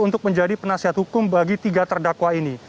untuk menjadi penasihat hukum bagi tiga terdakwa ini